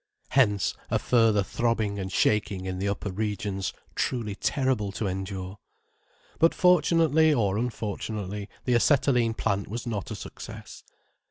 Hence a further throbbing and shaking in the upper regions, truly terrible to endure. But, fortunately or unfortunately, the acetylene plant was not a success.